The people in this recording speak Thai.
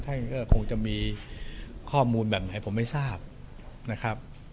ท่านก็คงจะมีข้อมูลแบบไหนผมไม่ทราบนะครับ